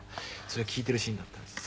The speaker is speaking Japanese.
「それを聞いてるシーンだったんです。